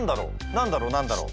何だろう何だろ？